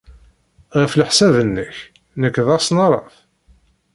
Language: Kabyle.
Ɣef leḥsab-nnek, nekk d asnaraf?